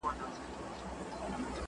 هرات د هنر او کلتور ښار دی.